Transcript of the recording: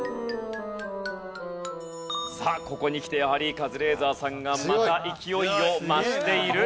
さあここにきてやはりカズレーザーさんがまた勢いを増している。